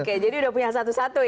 oke jadi udah punya satu satu ya